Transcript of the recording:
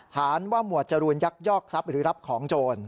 ฐานว่าหมวดจรูนยักยอกทรัพย์หรือรับของโจร